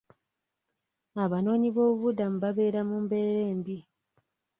Abanoonyiboobubudamu babeera mu mbeera embi.